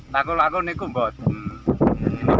laku laku nih kum buatan